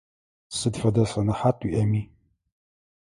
Сыд фэдэ сэнэхьат уиIэми.